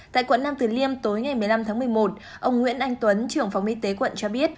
tại quận nam từ liêm tối ngày một mươi năm tháng một mươi một ông nguyễn anh tuấn trưởng phòng y tế quận cho biết